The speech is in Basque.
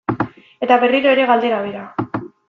Eta berriro ere galdera bera.